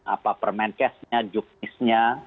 apa permenkesnya juknisnya